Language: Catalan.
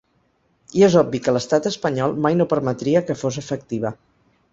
I és obvi que l’estat espanyol mai no permetria que fos efectiva.